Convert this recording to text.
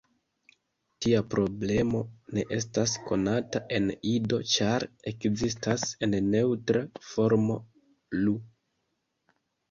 Tia problemo ne estas konata en Ido, ĉar ekzistas la neŭtra formo "lu".